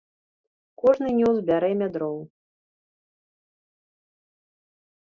Кожны нёс бярэмя дроў.